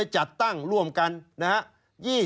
ชีวิตกระมวลวิสิทธิ์สุภาณฑ์